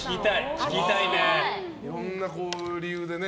いろんな理由でね。